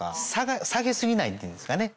下げ過ぎないっていうんですかね。